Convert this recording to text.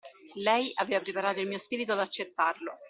Lei aveva preparato il mio spirito ad accettarlo.